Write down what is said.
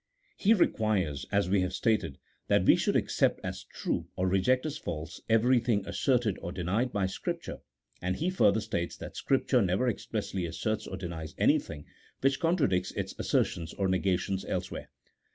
He requires, as we have stated, that we should accept aa true, or reject as false, everything asserted or denied by Scripture, and he further states that Scripture never ex pressly asserts or denies anything which contradicts ita assertions or negations elsewhere.